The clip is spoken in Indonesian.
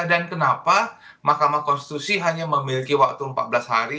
dan kenapa mk hanya memiliki waktu empat belas hari